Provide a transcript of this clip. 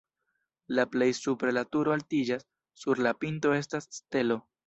La plej supre la turo altiĝas, sur la pinto estas stelo.